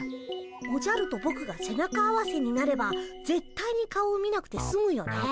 おじゃるとぼくが背中合わせになればぜったいに顔を見なくてすむよね。